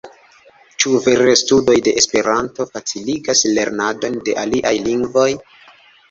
Ĉu vere studoj de Esperanto faciligas lernadon de aliaj lingvoj?